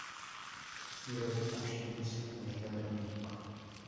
Y dos incursiones en el teatro mágico.